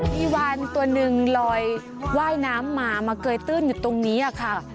มีวานตัวหนึ่งลอยว่ายน้ำมามาเกยตื้นอยู่ตรงนี้ค่ะ